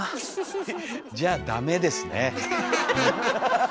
じゃあダメですね。